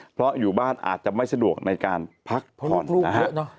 เพราะอยู่บ้านอาจจะไม่สะดวกในการพักผ่อนนะฮะ